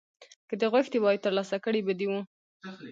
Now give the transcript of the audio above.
که دې غوښتي وای ترلاسه کړي به دې وو